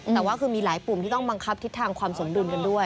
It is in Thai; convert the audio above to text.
แต่ว่าคือมีหลายปุ่มที่ต้องบังคับทิศทางความสมดุลกันด้วย